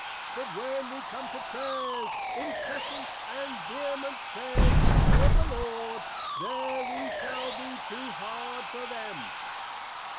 But when we come to Prayers, Incessant and Vehement Prayers before the Lord, there we shall be too hard for them.